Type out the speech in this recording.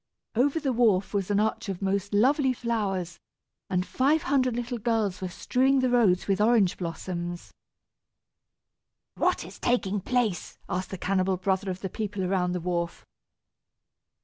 Over the wharf was an arch of most lovely flowers, and five hundred little girls were strewing the roads with orange blossoms. "What is taking place?" asked the cannibal brother of the people around the wharf.